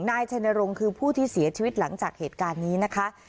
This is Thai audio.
นายชัยนรงค์คือผู้ที่เสียชีวิตหลังจากเหตุการณ์นี้นะคะ